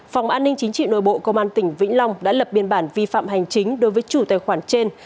phòng an ninh chính trị nội bộ công an tỉnh vĩnh long đã lập biên bản vi phạm hành chính đối với chủ tài khoản trên